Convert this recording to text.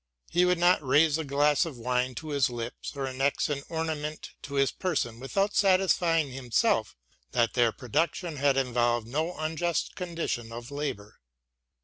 He would not raise a glass of wine to his lips or annex an ornament to his person without satisfying himself that their pro duction had involved no unjust condition of labour.